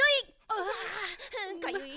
あかゆい！